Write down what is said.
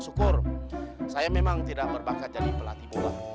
syukur saya memang tidak berbakat jadi pelatih bola